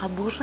gak bisa sih